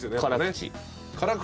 辛口。